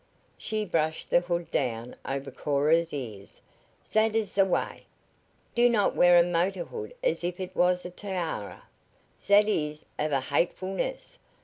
She brushed the hood down over Cora's ears. "Zat is ze way. Do not wear a motor hood as if it was a tiara! Zat is of a hatefulness!